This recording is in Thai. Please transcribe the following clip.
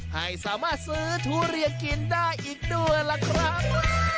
ให้สามารถซื้อทุเรียนกินได้อีกด้วยล่ะครับ